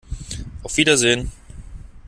Auf Wiedersehen!